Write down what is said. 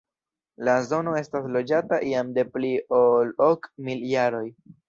La zono estas loĝata jam de pli ol ok mil jaroj.